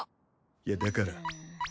いやだから。